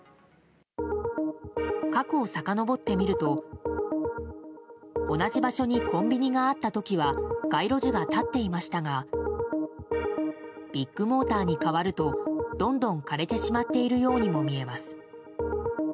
過去をさかのぼってみると同じ場所にコンビニがあった時は街路樹が立っていましたがビッグモーターに変わるとどんどん枯れてしまっているようにも見えます。